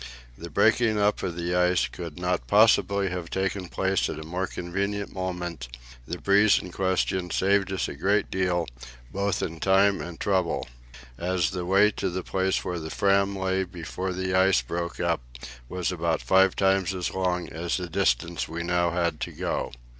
The breaking up of the ice could not possibly have taken place at a more convenient moment; the breeze in question saved us a great deal, both of time and trouble, as the way to the place where the Fram lay before the ice broke up was about five times as long as the distance we now had to go.